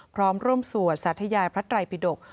พร้อมร่วมสวดสัทธยายพระตรายพิฏกฏ